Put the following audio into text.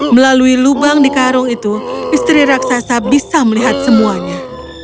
melalui lubang di karung itu istri raksasa bisa melihat semuanya